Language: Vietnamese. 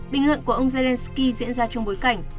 bình luận của ông zelensky diễn ra trong bối cảnh